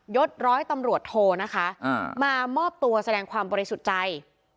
ดร้อยตำรวจโทนะคะมามอบตัวแสดงความบริสุทธิ์ใจ